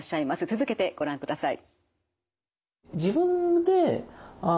続けてご覧ください。